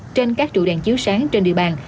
trên các trụ đèn chiếu sáng trên địa bàn